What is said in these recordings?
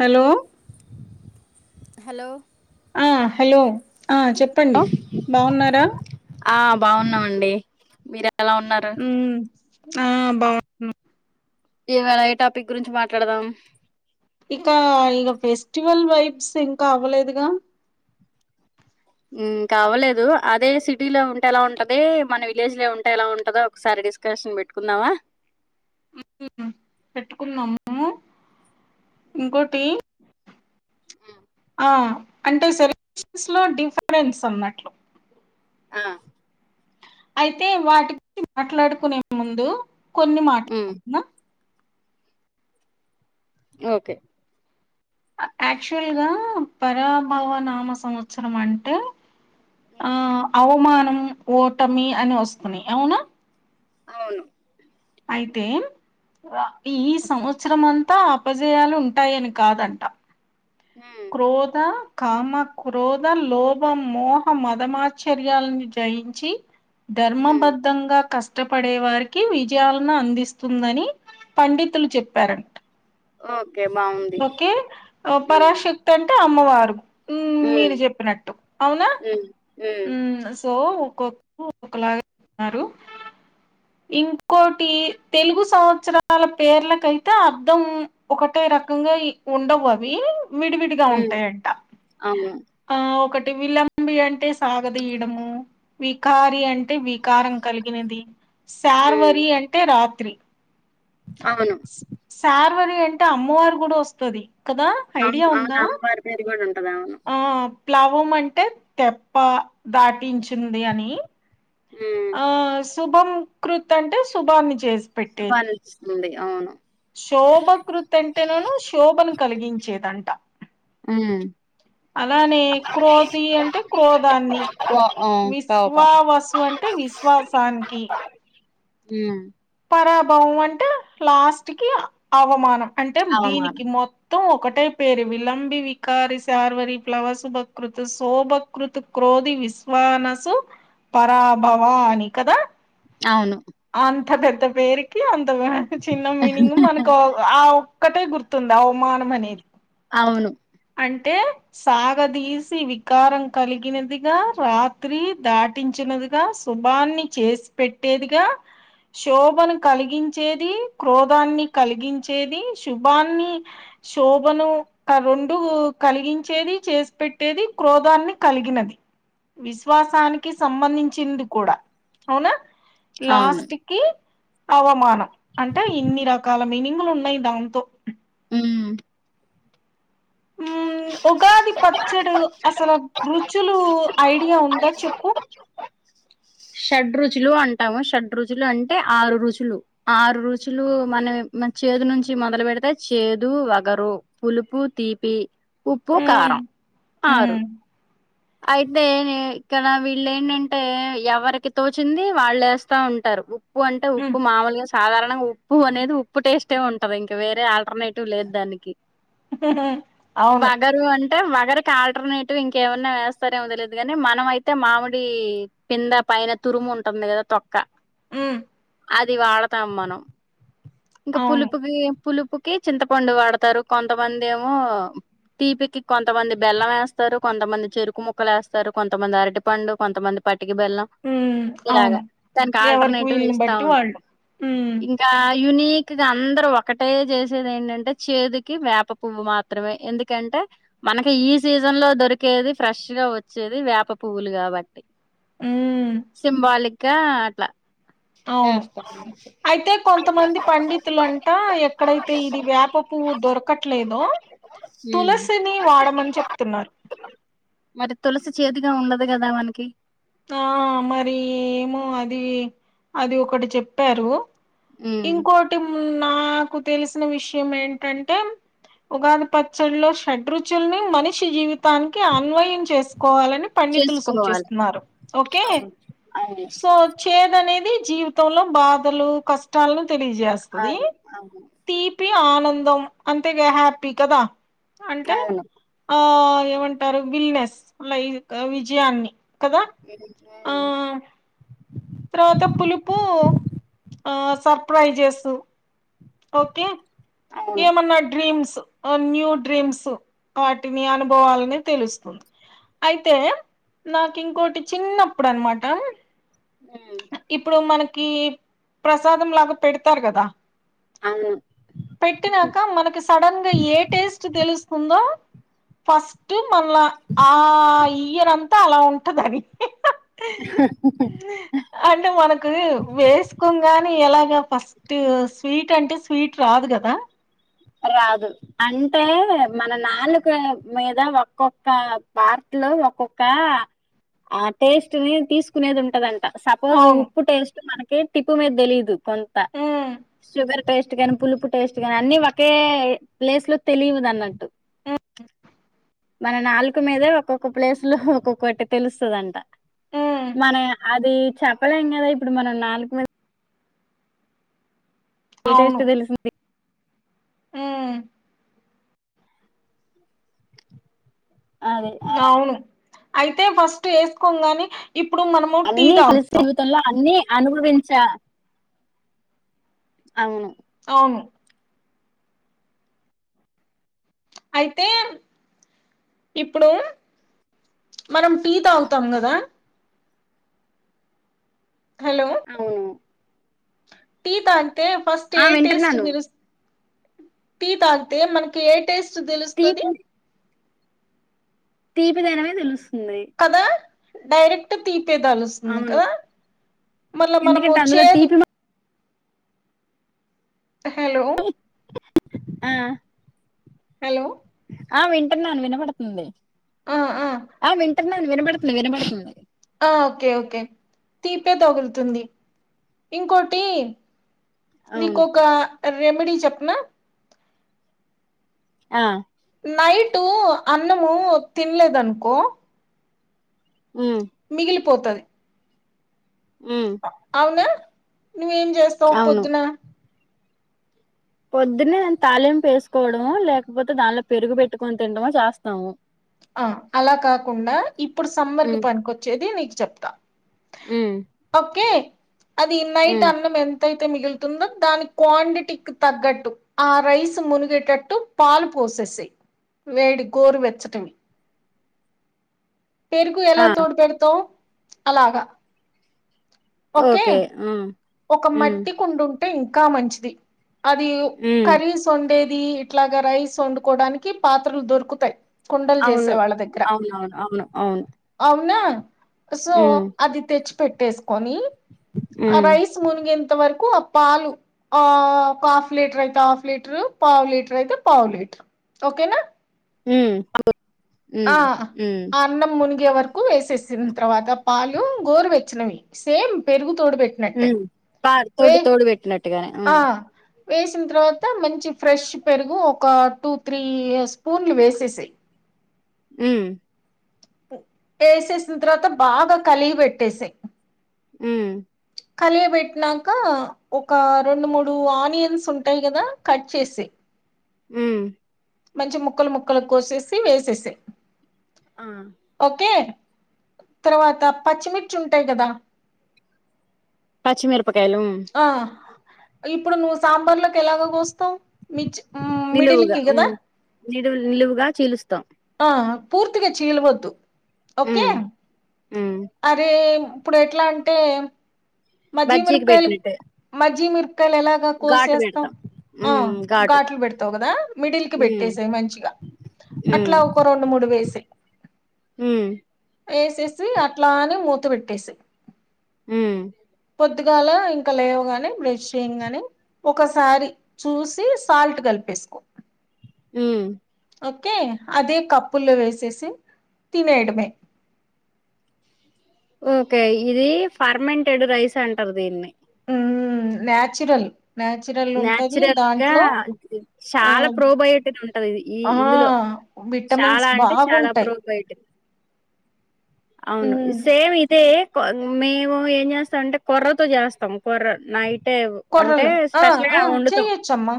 Hello hello ఆ hello ఆ చెప్పండి బాగున్నారా ఆ బాగున్నామండి మీరు ఎలా ఉన్నారు ఉమ్ ఆ బాగున్నం ఈవేళ ఏ టాపిక్ గురించి మాట్లాడదాం ఇక ఇగ ఫెస్టివల్ వైబ్స్ ఇంకా అవ్వలేదుగా హ్మ్ ఇంకా అవ్వలేదు అదే సిటీలో ఉంటే ఎలా ఉంటది మన విలేజ్ లో ఉంటే ఎలా ఉంటదో ఒకసారి డిస్కషన్ పెట్టుకున్నావా హ్మ్ పెట్టుకున్నామ్ అ ఇంకోటి ఆ అంటే సెలెక్షన్స్ లో డిఫరెన్స్ అన్నట్లు ఆ అయితే వాటి మాట్లాడుకునే ముందు కొన్ని ఉమ్ మాట్లాడుకున్నాము ఓకే యాక్చువల్ గా పరాభవ నామ సంవత్సరం అంటే ఆ అవమానం ఓటమి అని వస్తున్నాయి అవునా అవును అయితెం ఈ సంవత్సరం అంతా అపజయాలు ఉంటాయని కాదంట ఉమ్ క్రోధ కామా క్రోధ లోభం మోహ మదమా్చ్చర్యాలని జయించి ఉమ్ ధర్మబద్ధంగా కష్ కష్టపడే వారికి విజయాలను అందిస్తుందని పండితులు చెప్పారంట ఆ ఓకే పరాశక్తంటే అమ్ అమ్మవారు హ్మ్ ఉమ్ మీరు చెప్పినట్టు అవునా ఉమ్ ఉమ్ హ్మ్ సో ఒక్కొక్కరు ఒక్కోక్కలాగ చెప్పినారు ఇంకోటి తెలుగు సంవత్సరాల పేర్లకైతే అర్ధం ఒకటే రకంగా ఉండవు అవి విడివిడిగా ఉమ్ ఉంటాయంట అవును ఆ ఒకటి విలంబి అంటే సాగదియడము వికారి అం అంటే వికారం కలిగినది ఉమ్ శార్వరి అంటే రాత్రి అవును శార్వారీ అంటే అమ్మవారు కూడా వస్తది కదా ఐడియా ఉందా అదా ఆ ప్లవం అంటే తెప్ప దాటించింది అని ఉమ్ ఆ శుభం కృత్ అంటే శుభాన్ని చేసు వాళ్ళిచ్చింది అవును శోభకృత్ అంటే నును శోభను కలిగించేదంట ఉమ్ అలానే క్రోధి అంటే క్రోధాన్ని కో ఆ కోపం విశ్వావసు అంటే విశ్వాసానికి హ్మ్ పరాభవము అంటే లాస్ట్ కి అవమానం అంటే అవమానం దీనికి మొత్తం ఒక ఒకటే పేరు విలంబి వికారిి సార్వరి ప్లవసుుభకృత్ సోభకృత్ క్రోధ విశ విశ్వానసు పరాభవా అని కదా అవును అంత్త పెద్ద పేరుకి అంత చిన్న మీనింగ్ మనకు ఆ ఒక్కటే గుర్తుంది అవమానం అనేది అవును అంటే సాగదీసి వికారం కలిగినదిగా రాత్రి దాటించ దినదిగా శుభాన్ని చేసి పెట్టేదిగా శోభను కలిగించేది క్రోధాన్ని కలిగించేది శుభాన్ని శోభను రెండు కలిగించేది చేసి పెట్టేది క్రోధాన్ని కలిగినది విశ్వాసానికి సంబంధించింది కూడా అవునా అవును లాస్ట్ కి అవమానం అంటే ఇన్ని రకాల మీనింగ్ లు ఉన్నాయి దాంతో హ్మ్ హ్మ్ ఉగాది పచ్చడు అసలు కృ కుచ్చులు ఐడియా ఉందా చెప్పు షడ్రుచులు అంటాము షడ్రుచులు అంటే ఆరు రుచులు ఆరు రుచులు మన మ చేదు నుంచి మొదలు పెడితే చేదు వగరు పులుపు తీపి ఉప్పు మ్మ్ కారం ఆరు మ్మ్ అయితే ఇక్కడ వీల్లేంటంటే ఎవరికి తోచింది వాల్లేస్తా ఉంటారు ఉప్పు అంటే మ్మ్ ఉప్పు మామూలుగా సాధారణంగా ఉప్పు అనేది ఉప్పు టేస్టే ఉంటది ఇంకా వేరే ఆల్టర్నేటివ్ లేదు దానికి అవును వగరు అంటే వగరికి ఆల్టర్నేటివ్ ఇంకేమైనా న్న వేస్తారేమో తెలియదు కానీ మనం అయితే మామిడి పింద పైన తురుము ఉంటుంది కదా తొక్క హ్మ్ అది వాడతాం మనం ఇంకా అవును పులుపుకి పులుపు ఉప్పుకి చింతపండు వాడతారు కొంతమంది ఏమో తీపికి కొంతమంది బెల్లం వేస్తారు కొంతమంది చెరుకు ముక్కలు వస్తారు కొంతమంది అరటి పండు కొంతమంది పట్ టికి బెల్లం మ్మ్ ఇలాగ అవును దానికి ఎవరికి ఆల్టర్నేటివ్ వీళ్ళని వేస్తా బట్టి ఉంటారు వాళ్ళు మ్మ్ ఇంకా యునీక్ గా అందరుూ ఒకటే చేసేది ఏంటంటే చేతికి వేప పువ్వు మాత్రమే ఎందుకంటే అ మనకి ఈ సీజన్ లో దొరికేది ఫ్రెష్గా వచ్చేది వేప పువ్వులు కాబట్టి మ్మ్ సింబాలిక్ ఇంకా అట్లా అవును వస్తాను అయితే కొంతమంది పండితులుంటా ఎక్కడైతే ఇది వేప పువ్వు దొరకట్లేదో ఉమ్ తులసిని వాడమని చెప్తున్నారు మరి తులసి చేతిగా ఉండదు కదా మనకి ఆ మరి ఏమో అది అది ఒకటి చెప్పారు ఉమ్ ఇంకోటి నాకు తెలిసిన విషయం ఏంటంటే ఉగాది పచ్చడిలో చెడు మనిషి జీవిత తానికి అన్వయం చేసుకోవాలని పండితులు చేసుకోవాలి సూచిస్తున్నారు అవును చేద అనేది జీవితంలో బాధలు కష్టాలను తెలిజస్తుంది అవును ఆనందం అంతేగా హ్యాపీ కదా అంటే అవును అవును అవును ఆ ఏమంటారు బ విిల్నెస్ల విజయాన్ని కదా ఎ ఆ తర్వాత పులుపు ఆ సర్ప్రై చేసు ఓకే అవును ఏమన్నా డ్రీమ్స్ న్యూ డ్రీమ్స్ వాటిని అనుభవాలని తెలుస్తుంది అయితే నాకు ఇంకోటి చిన్నప్పుడు అనమాట ఉమ్ ఇప్పుడు మనకి ప్రసాదం లాగా పెడతారు కదా అవును పెట్టినాక మనకి సడన్ గా ఏ టేస్ట్ తెలుస్తుందో ఫస్ట్ మనల ఆ ఇయ్యనంతా అలా ఉంటది మరి అంటే మనకు వేసుకోంగాని ఎలాగ ఫస్ట్ స్వీట్ అంటే స్వీట్ రాదు కదా రాదు అంటే మన నాలుకమీద ఒక్కొక్క పార్టీ లో ఒక్కొక్క ఆ టేస్ట్ ని తీసుకునేది ఉంటదండి సపోజ అవును ఉప్పు టేస్ట్ మనకి టిప్పు మీద తెలిదు కొంత ఉమ్ షుగర్ టేస్ట్ గానీ పులుపు టేస్ట్ గాని అన్ని ఒకే ప్లేస్ లో తెలియదు అన్నట్టు ఆ మన నాలుక మీదే ఒక్కొక్క ప్లేస్ లో ఒక్కొక్కటి తెలుస్తుదంట ఉమ్ మన అది చెప్పలేం కదా ఇప్పుడు మనం నాలుక మ ఏేట ఇస్త తెలుసుంది ఆ అదే అలా అవును అయితే ఫస్ట్ వేసుకో గాని అన్నీ కలిసి ఇత అన్నీ అనుభవించ అవును అవును అయితే ఇప్పుడు మనం టీ తాగుతాం కదా హలో అవును టీ తాగితే ఫస్ట్ ఆ ఏ వింటున్నాను టేస్ట్రు టీ అంతే మనకి ఏ టేస్ట్ తెలుస్తుంది తీపి తీపిదనమే తెలుసు కదా డైరెక్ట్ తీ పిదేలుస్తుంది అవును గదా మళ్ళా మనము ఎందుకంటే అందులో చేదు తీపి మ హలో ఆ హలో ఆ వింటునాను వినబడుతుంది ఆ వింటునాను వినబడుతుంది వినబడుతుంది. ఆ ఓకే ఓకే తీంతే తగులుతుంది ఇంకోటి అవును నీకొక రెమెడి చెప్పనా ఆ నైటు అన్నము తిన్లేదనుకో ఉమ్ మిగిలిపోతది ఉమ్ అవునా నువ్వేం చెస్తావు అవును పొద్దున పొద్దున్నే నేన్ తాళింపు ఏసుకోవడము లేకపోతే దానిలో పెరుగు పెట్టుకొని తినడమో చేస్తాము. ఆ అలా కాకుండా ఇప్పుడు సమ్మర్ కి ఉమ్ పనికొచ్చేది నీక్ చెప్తా ఉమ్ ఒకే అది నైట్ ఉమ్ అన్నం ఎం ఎంత అయితే మిగులుతుందో దాని క్వాంటిటికి తగ్గట్టు ఆ రైస్ మునిగేటట్టు పాలు పోసేసేయ్ వేడి గోరువెచ్చటివి పెరుగు ఆ ఎలా తోడ్ పెడతవ్ అలాగా ఓకే హ్మ్ ఒక మట్టి కుండ ఉంటే ఇంకా మంచిది అది ఉమ్ కర్రీస్ వండేది ఇట్లాగా రైస్ వండుకోవడానికి పాత్రలు దొరుకుతయి. కుండలు చేసే అవును వాళ్ళ దగ్గర అవునవును అవును అవును అవునా సో ఉమ్ అది తెచ్చి పెట్టేసుకొని ఆ ఉమ్ రైస్ మునిగెంత వరకు ఆ పాలు ఆ ఒక హాఫ్ లీట్రు అయితే హాఫ్ లీట్రు పావు లీట్రు అయితే పావు లీట్రు ఓకేనా మ్మ్ ఆ ఆ అన్నం ముని గే వరకు వేసేసిన్ తర్వాత పాలు గోరువెచ్చనవి సేమ్ పెరుగు తోడు పెట్నట్టే ఉమ్ పా తోడు వేయి తోడు పెట్టినట్టుగానే ఉమ్ ఆ వేసిన తర్వాత మంచి ఫ్రెష్ పెరుగు ఒక టూ, త్రీ స్పూన్లు వేసేసేయ్ [inaudible] హ్మ్ వేసేసిన తర్వాత బాగా కలియ బెట్టేసేయ్ హ్మ్ కలియబెట్టినాక ఒక రెండు మూడు ఆనియన్స్ ఉంటయి కదా కట్ చేసేయ్ హ్మ్ మంచి ముక్కలు ముక్కలు కోసేసి వేసేసేయ్ ఆ ఓకే తర్వాత పచ్చిమిర్చి ఉంటయి కదా పచ్చిమిరపకాయలు హ్మ్ ఆ ఇప్పుడు నువ్వు సాంబార్ లోకి ఎలాగ కోస్తావు మిచ్ హ్మ్ మిడిల్ నిలువుగా కి కద హ్మ్ నిలువుగా చిలుస్తం ఆ పూర్తిగా చీలవద్దు ఓకే హ్మ్ హ్మ్ అరే ఇప్పుడు ఎట్లా అంటే బజ్జీకి మజ్జిగమిరపకాయ్ పెట్టినట్టే మజ్జిగమిర్ పకాయలు ఎలాగా ఘాటు కోసేస్తం పెడతాం ఆ హ్మ్ ఘాటు ఘాట్లు పెడతావు కదా మిడిల్ కి హ్మ్ పెట్టేసేయ్ మంచిగా అట్లా హ్మ్ ఒక రెండు, మూడు వేసేయ్ హ్మ్ వేసేసి అట్లాని మూత పెట్టేసేయ్ మ్మ్ పొద్దుగాల ఇంకా లేవగానే బ్రష్ చెయంగానే ఒకసారి చూసి, సాల్ట్ గల్పేస్కో. ఉమ్మ్. ఓక్కె, అదే కప్పుల్లో వేసేసి, తినేయడమే. ఓకే, ఇది ఫర్మెంటెడ్ రైస్ అంటారు దీన్ని. ఉమ్మ్ న్యాచురల్. న్యాచురల్ ఉంటుంది, నాచురల్ గా దాంట్లో చాలా ఆమ్ ప్రోబయోటిక్ ఉంటది ఇది ఈ ఆ ఇందులో విటమిన్స్ చాలా అంటే చాలా బాగుంటాయి. ప్రోబయోటిక్ అవును ఉమ్, సేమ్ ఇదే మేము ఏం చేస్తా అంటే కొర్రతో చేస్తాం కొర్ర నైటే అంటే కొర్రలు ఆ ఆ స్పెషల్గా వండుతాం చెయ్యొచ్చమ్మా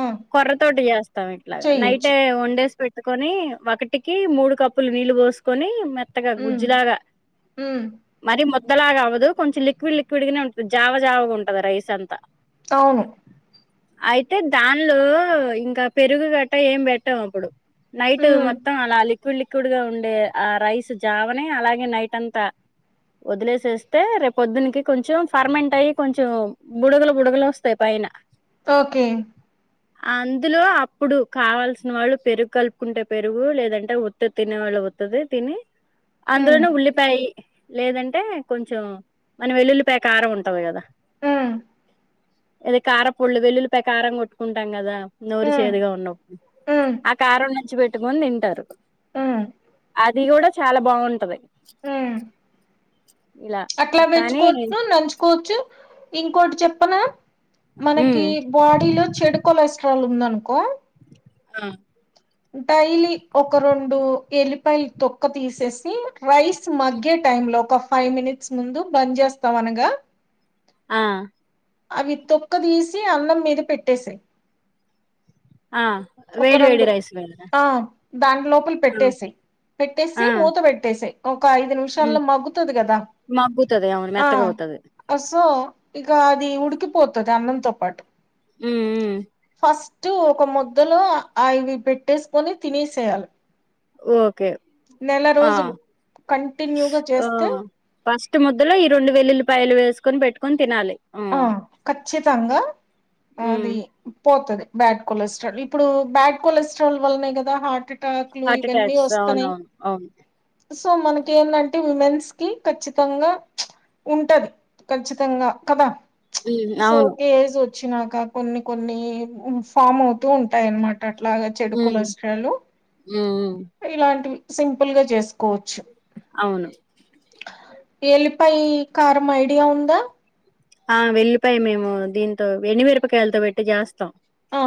ఆ కొర్రతోటి చేస్తాం ఇట్లా నైటే చెయ్యొచ్చు వండేస్ పెట్ కొని ఒకటికి మూడు కప్పుల నీళ్ళు పోసుకొని మే త్తగా ఉమ్ గుజ్జులాగా ఉమ్ మరి మొత్ పద్దలాగవ్వదు కొంచెం లిక్విడ్ లిక్విడ్ గానే ఉంటుంది జావ జావగా ఉంటది రైస్ అంతా అవును అయితే దానిలో ఇంకా పెరుగు గట్ట ఏం పెట్టాం అప్పుడు నైట్ ఉమ్ మొత్తం అలా లీక్ క్కుడ్ లిక్కుడ్ గా ఉండే ఆ రైస్ జావనే అలాగే నైట్ అంతా వదిలేసేస్తే రేపు పొద్దునికి కొంచెం ఫర్మంట్ అయ్యి కొంచెం బుడగులు బుడగలోస్ స్తయి పైన ఓకే అందులో అప్పుడు కావాల్సిన వాళ్ళు పెరుగు కలుపుకుంటే పెరుగు లేదంటే ఉత్తిగ తినే వాళ్ళు [unintelligible] తిని ఉమ్ అందులో ఉల్లిపాయి లేదంటే కొంచెం మన వెల్లుల్లి పయ కారం ఉంటది కదా మ్ ఏది కార పొళ్ళు వెల్లుల్లిపాయి కారం కొట్టుకుంటాం కదా నోరు ఉమ్ చేదుగా ఉన్నప్పుడు ఆ కారం నంచ్చు పెట్టుకోని తింటారు ఆ అది కూడా చాలా బాగుంటది ఉమ్ ఇలా అట్లా కానీ పెచ్చుకోవచ్చు నంచుకోవచ్చు ఇంకోొటి చెప్పనా ఉమ్ మనకి బాడీలో చెడు కొలెస్ట్రాల్ ఉందనుకో ఆ డైలీ ఒక రెండు ఎల్లిపాయలు తొక్క తీసేసి రైస్ మగ్గే టైంలో ఒక ఫైవ్ మినిట్స్ ముందు బంద్ చేస్తాం అనగా ఆ అవి తొక్క తీసి అన్నం మీద పెట్టేసేయ్ ఆ వేడి వేడి రెండు రైస్ల ఆ దాని లోపల పెట్టేసై పెట్టేసి ఆ మూత పెట్టేసేయ్ ఒక ఐదు ఉ నిమిషాల్లో మగ్గుతది కదా మగ్గుతది అవును ఆ మెత్తగా అవుతది అ సో ఇక అది ఉడికిపోతది అన్నంతో పాటు మ్ మ్ ఫస్ట్ ఒక ముద్దలో అవి పెట్టేసుకొని తినేసేయాలి ఓకే నెల ఆ రోజులు కంటిన్యూగా ఆ చేస్తే ఫస్ట్ ముద్దలో ఈ రెండు వెల్లుల్లిపాయలు వేసుకొని పెట్టుకొని తినాలి ఆ ఖచ్చితంగా అది ఉమ్ పోతది బ్యాడ్ కొలెస్ట్రాల్ ఇప్పుడు బ్యాడ్ కొలెస్ట్రాల్ వల్నే కదా హార్ట్ టాకులు హార్ట్ ఇవన్నీ అటాక్స్ వస్తాన్నాయి అవునవును అవును సో మనకి ఏందంటే ఉమెన్స్ కి ఖచ్చితంగా ఉంటది ఖచ్చితంగా ఉమ్ అవును కదాసోకే ఏజ్ వచ్చినా కా కొన్ని కొన్ని ఫామ్ అవుతూ ఉంటాయిన్నమాట్ అట్లాగే చెడుకులు ఉమ్ వచ్చిండు ఉమ్ ఇలాంటివి సింపుల్ గా చేసుకోవచ్చు అవును ఎల్లిపాయ కారం ఐడియా ఉందా ఆ వెళ్లిపాయ మేము దీంతో ఎండి మిరపకాయలతో పెట్టి చేస్తాం ఆ